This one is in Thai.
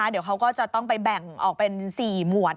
เดี๋ยวเขาก็จะต้องไปแบ่งออกเป็น๔หมวด